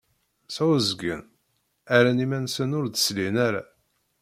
Sεuẓẓgen, rran iman-nsen ur d-slin ara.